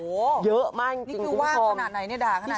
โอ้โหนี่คือว่าขนาดไหนเนี่ยด่าจะขนาดไหน